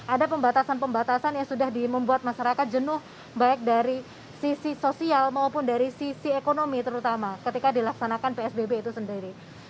ada pembatasan pembatasan yang sudah membuat masyarakat jenuh baik dari sisi sosial maupun dari sisi ekonomi terutama ketika dilaksanakan psbb itu sendiri